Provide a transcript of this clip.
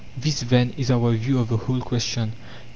This, then, is our view of the whole question.